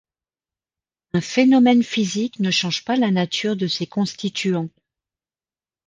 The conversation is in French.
Un phénomène physique ne change pas la nature de ses constituants.